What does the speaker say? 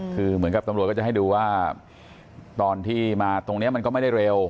คือเหมือนกับตำรวจก็จะให้ดูว่าตอนที่มาตรงนี้มันก็ไม่ได้เร็ว